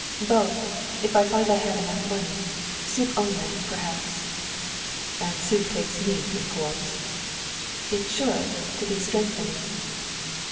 "Both, if I find I have enough money. Soup only, perhaps." "And soup takes meat, of course." "It should, to be strengthening."